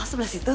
oh sebelah situ